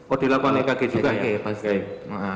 oh dilakukan ekg juga ya